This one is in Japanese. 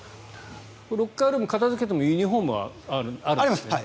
ロッカールームを片付けてもユニホームはあるんですよね？